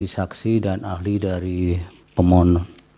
saksi dan ahli dari pemohon